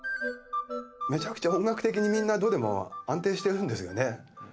めちゃくちゃ音楽的にみんなどれも安定してるんですよね。